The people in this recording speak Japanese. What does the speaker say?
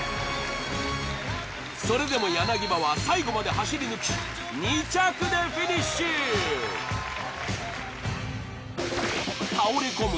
それでも柳葉は最後まで走り抜き２着でフィニッシュ倒れ込む